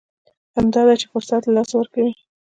همدا ده چې فرصت له لاسه ورکوي.